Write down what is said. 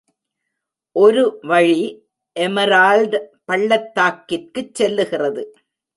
ஒருவழி Emerald பள்ளத்தாக்கி ற்குச் செல்லுகிறது.